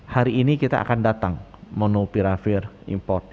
hari ini kita akan datang monopiravir import